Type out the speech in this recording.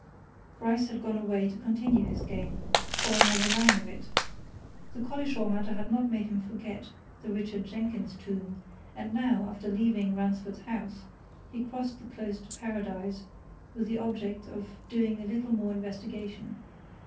Bryce had gone away to continue his game or another line of it. The Collishaw matter had not made him forget the Richard Jenkins tomb, and now, after leaving Ransford's house, he crossed the Close to Paradise with the object of doing a little more investigation.